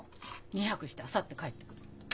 ２泊してあさって帰ってくるって。